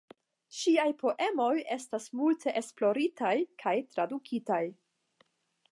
Ŝiaj poemoj estas multe esploritaj kaj tradukitaj.